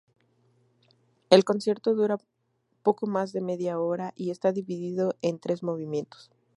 El concierto dura poco más de media hora y está dividido en tres movimientos.